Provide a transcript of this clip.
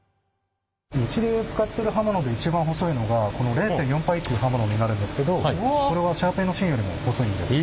うちで使ってる刃物で一番細いのがこの０．４パイっていう刃物になるんですけどこれはシャーペンの芯よりも細いんです。